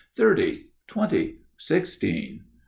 "Thirty, twenty, sixteen!